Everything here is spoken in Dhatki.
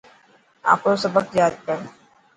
آڦرو سبق ياد ڪر.